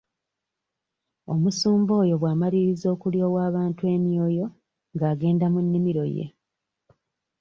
Omusumba oyo bw'amaliriza okulyowa abantu emwoyo ng'agenda mu nnimiro ye.